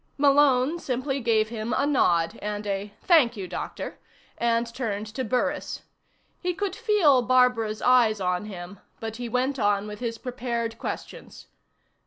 _ Malone simply gave him a nod, and a "Thank you, Doctor," and turned to Burris. He could feel Barbara's eyes on him, but he went on with his prepared questions.